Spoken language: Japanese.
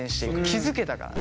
気付けたから。